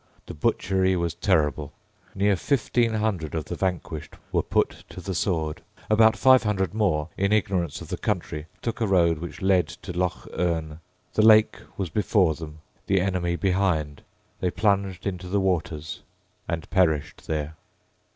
The butchery was terrible. Near fifteen hundred of the vanquished were put to the sword. About five hundred more, in ignorance of the country, took a road which led to Lough Erne. The lake was before them: the enemy behind: they plunged into the waters and perished there.